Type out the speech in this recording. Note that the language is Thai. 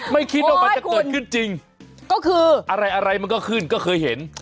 ไม่คิดว่ามันจะเกิดขึ้นจริงก็คืออะไรอะไรมันก็ขึ้นก็เคยเห็น